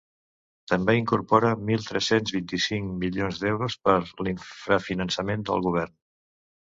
També incorpora mil tres-cents vint-i-cinc milions d’euros per l’infrafinançament del govern.